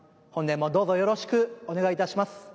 本年もどうぞよろしくお願いいたします。